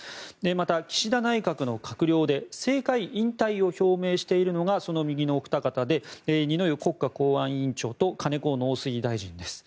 また岸田内閣の閣僚で政界引退を表明しているのがその右のお二方で二之湯国家公安委員長と金子農水大臣です。